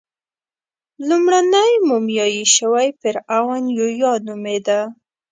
لومړنی مومیایي شوی فرعون یویا نومېده.